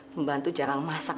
pembantu jarang masak